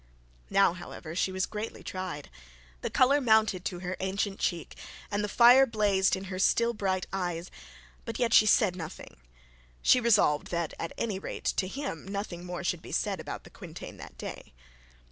Now, however, she was greatly tried. The colour mounted to her ancient cheek, and the fire blazed in her still bright eye; but yet she said nothing. She resolved that at any rate, to him nothing more should be said about the quintain that day.